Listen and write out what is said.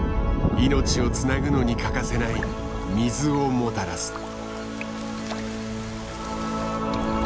命をつなぐのに欠かせない水をもたらす。